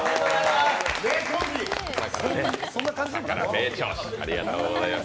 名調子、ありがとうございます。